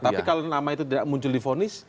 tapi kalau nama itu tidak muncul di vonis